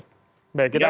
kita akan lakukan